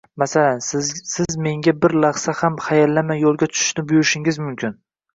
Masalan siz menga bir lahza ham hayallamay yo‘lga tushishni buyurishingiz mumkin.